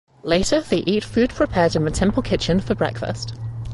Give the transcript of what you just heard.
Later they eat food prepared in the temple kitchen for breakfast.